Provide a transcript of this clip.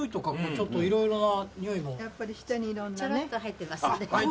ちょろっと入ってますんで。